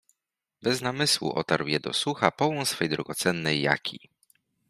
Bez namysłu otarł je do sucha połą swej drogocennej jaki.